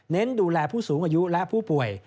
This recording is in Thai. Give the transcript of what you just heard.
ดูแลผู้สูงอายุและผู้ป่วย